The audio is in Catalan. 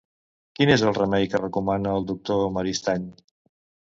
Quin és el remei que recomana el doctor Maristany?